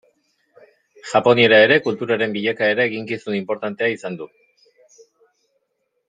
Japoniera ere kulturaren bilakaera eginkizun inportantea izan du.